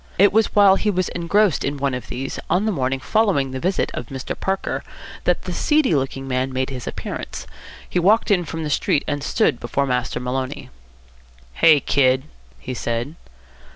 It was while he was engrossed in one of these, on the morning following the visit of Mr. Parker, that the seedy looking man made his appearance. He walked in from the street, and stood before Master Maloney. "Hey, kid," he said.